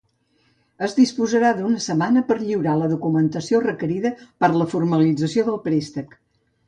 Es disposarà d'una setmana per lliurar la documentació requerida per la formalització del préstec.